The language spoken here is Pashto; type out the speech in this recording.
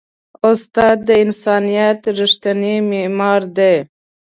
استاد د انسانیت ریښتینی معمار دی.